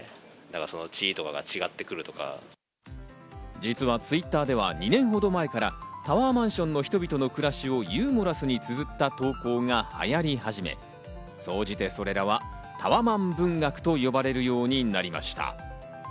実はＴｗｉｔｔｅｒでは、２年ほど前からタワーマンションの人々の暮らしをユーモラスにつづった投稿が流行り始め、総じて、それらはタワマン文学と呼ばれるようになりました。